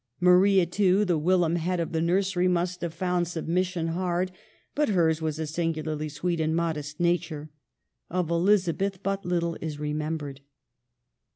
Maria/ too, the whilom head of the nursery, must have found submission hard ; but hers was a singularly sweet and modest nature. Of Elizabeth but little is remembered.